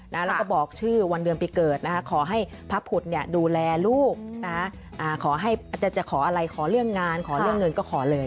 แล้วก็บอกชื่อวันเดือนปีเกิดขอให้พระพุทธดูแลลูกจะขออะไรขอเรื่องงานขอเรื่องเงินก็ขอเลย